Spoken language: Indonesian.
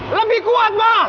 lebih kuat ma